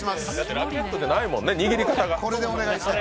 ラケットじゃないもんね、握りか方が。